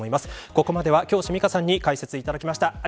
ここまでは京師美佳さんに解説していただきました。